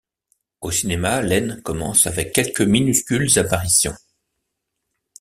Au cinéma, Lehn commence avec quelques minuscules apparitions.